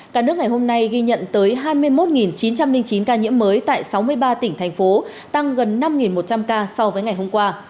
cả nước ngày hôm nay ghi nhận tới hai mươi một chín trăm linh chín ca nhiễm mới tại sáu mươi ba tỉnh thành phố tăng gần năm một trăm linh ca so với ngày hôm qua